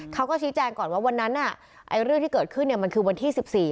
เขาก็ชี้แจงก่อนว่าวันนั้นเรื่องที่เกิดขึ้นมันคือวันที่๑๔